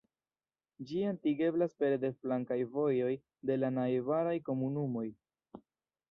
Ĝi atingeblas pere de flankaj vojoj de la najbaraj komunumoj.